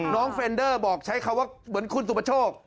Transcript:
น้องเฟรนเดอร์บอกใช้คำว่าเหมือนคุณสุปชก